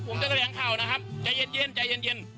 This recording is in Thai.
ผมจะแถลงข่าวนะครับใจเย็น